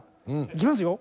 いきますよ